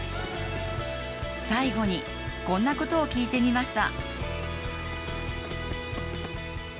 最後に、こんなことを聞いてみました。